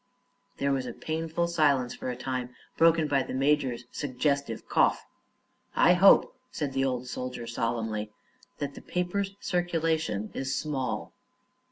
There was a painful silence for a time, broken by the major's suggestive cough. "I hope," said the old soldier, solemnly, "that the paper's circulation is very small."